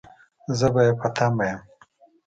زه به يې په تمه يم